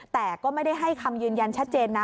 แต่ก็ไม่ได้ให้คำยืนยันชัดเจนนะ